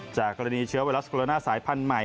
จากกรณีเชื้อไวรัสโคโรนาสายพันธุ์ใหม่